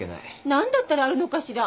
何だったらあるのかしら？